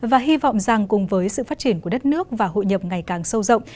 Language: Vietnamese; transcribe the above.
và hy vọng rằng cùng với sự phát triển của đất nước và hội nhập ngày càng sâu rộng